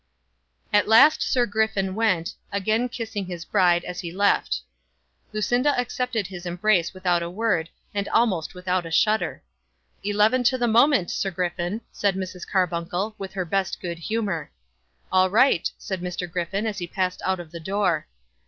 At last Sir Griffin went, again kissing his bride as he left. Lucinda accepted his embrace without a word and almost without a shudder. "Eleven to the moment, Sir Griffin," said Mrs. Carbuncle, with her best good humour. "All right," said Sir Griffin as he passed out of the door.